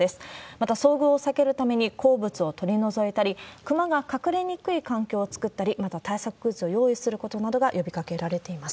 また、遭遇を避けるために好物を取り除いたり、クマが隠れにくい環境を作ったり、また対策グッズを用意することなどが呼びかけられています。